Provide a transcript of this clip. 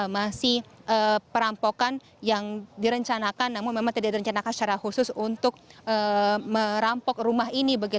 masih perampokan yang direncanakan namun memang tidak direncanakan secara khusus untuk merampok rumah ini